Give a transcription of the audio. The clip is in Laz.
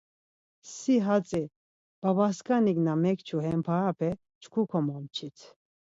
Si, hatzi babaskanik na mekçu hem parape çku komomçit.